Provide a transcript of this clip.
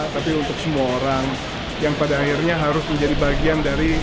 tapi untuk semua orang yang pada akhirnya harus menjadi bagian dari